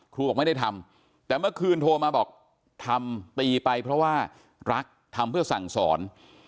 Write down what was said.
บอกไม่ได้ทำแต่เมื่อคืนโทรมาบอกทำตีไปเพราะว่ารักทำเพื่อสั่งสอน